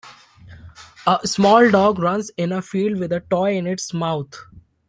A small dog runs in a field, with a toy in its mouth.